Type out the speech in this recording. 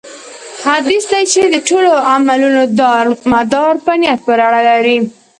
حديث دی چې: د ټولو عملونو دار مدار په نيت پوري اړه لري